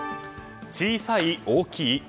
小さい？大きい？